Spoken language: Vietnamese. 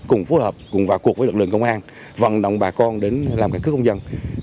cùng phối hợp cùng vào cuộc với lực lượng công an vận động bà con đến làm căn cước công dân